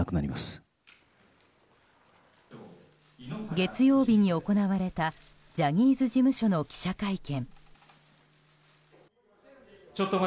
月曜日に行われたジャニーズ事務所の記者会見。